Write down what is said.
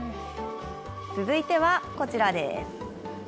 続いては、こちらです。